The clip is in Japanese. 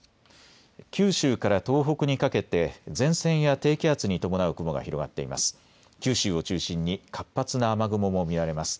九州から東北にかけて前線や低気圧に伴う雲が広がっています。